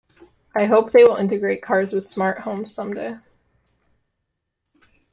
I hope they will integrate cars with smart homes some day.